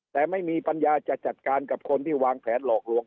แต่ไม่มีปัญญาจะจัดการกับคนที่วางแผนหลอกลวง